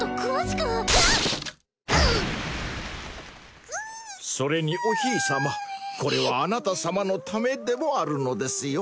くっそれにおひいさまこれはあなた様のためでもあるのですよ